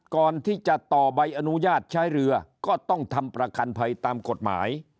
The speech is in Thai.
ก่อนที่จะต่อใบอนุญาตใช้เรือก็ต้องทำประกันภัยตามกฎหมาย